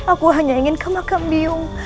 aku hanya ingin ke makam biung